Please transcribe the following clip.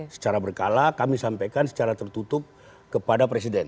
secara berkala kami sampaikan secara tertutup kepada presiden